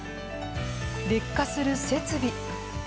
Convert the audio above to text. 劣化する設備。